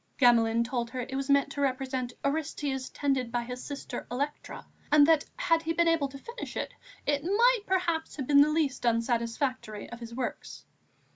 Gamelin told her it was meant to represent Orestes tended by his sister Electra, and that, had he been able to finish it, it might perhaps have been the least unsatisfactory of his works.